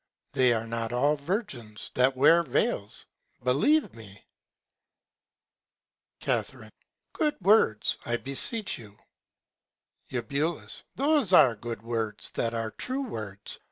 They are not all Virgins that wear Vails; believe me. Ca. Good Words, I beseech you. Eu. Those are good Words that are true Words.